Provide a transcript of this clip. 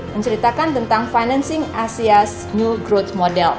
menceritakan tentang financing asia new growth model